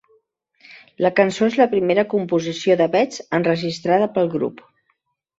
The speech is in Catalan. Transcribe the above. La cançó és la primera composició de Betts enregistrada pel grup.